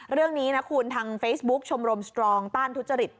เรื่องนี้นะคุณทางเฟซบุ๊กชมรมสตรองต้านทุจริต